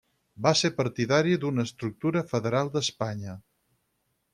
Va ser partidari d'una estructura federal d'Espanya.